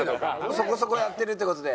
そこそこやってるって事で。